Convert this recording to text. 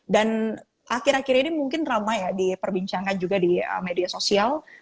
dan akhir akhir ini mungkin ramai ya diperbincangkan juga di media sosial